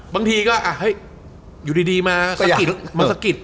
บางทีก็อยู่ดีมาสะกิด